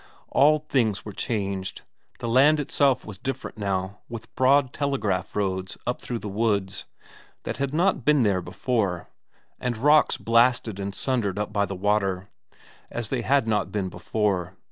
All things were changed, the land itself was different now, with broad telegraph roads up through the woods, that had not been there before, and rocks blasted and sundered up by the water, as they had not been before.